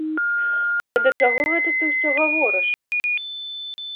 Але да чаго гэта ты ўсё гаворыш?!